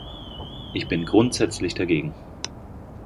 Ich bin grundsätzlich dagegen.